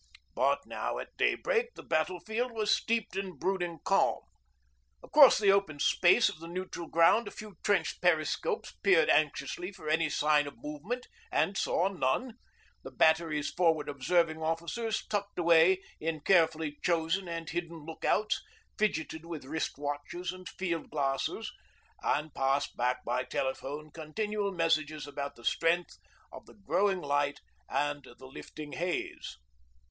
But now at daybreak the battle field was steeped in brooding calm. Across the open space of the neutral ground a few trench periscopes peered anxiously for any sign of movement, and saw none; the batteries' 'forward observing officers,' tucked away in carefully chosen and hidden look outs, fidgeted with wrist watches and field glasses, and passed back by telephone continual messages about the strength of the growing light and the lifting haze.